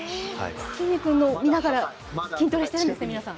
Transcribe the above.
きんに君を見ながら筋トレしてるんですね、皆さん。